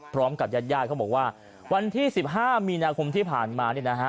พร้อมกับยาดเขาบอกว่าวันที่สิบห้ามีนาคมที่ผ่านมาเนี่ยนะฮะ